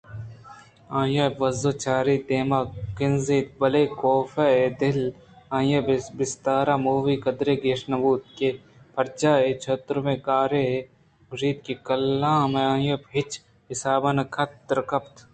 آئی ءَبرز ءَ چارات ءُدیمءَ کنزاِت بلئے کاف ءِ دل ءَ آئی ءِ بستار موری قدّے ءَ گیش نہ بوت کہ پرچہ اے چتوریں کار گشادے کہ کلام آئی ءَ ہچ حساب نہ کنت ءُدرکیت